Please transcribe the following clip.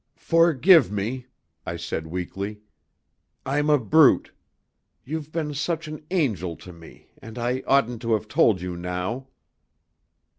"Forgive me," I said weakly. "I'm a brute. You've been such an angel to me and I oughtn't to have told you now."